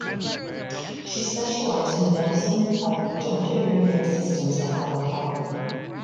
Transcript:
She specialised in the medicine of genitourinary systems and public health.